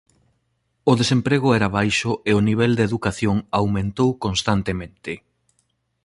O desemprego era baixo e o nivel de educación aumentou constantemente.